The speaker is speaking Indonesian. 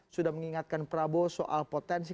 sudah mengingatkan prabowo soal potensi